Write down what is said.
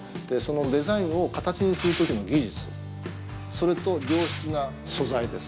デザインを形にするときの技術、それと良質な素材です。